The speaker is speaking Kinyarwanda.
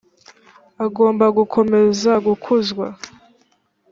agomba gukomeza gukuzwa